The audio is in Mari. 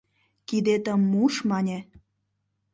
— Кидетым муш, — мане.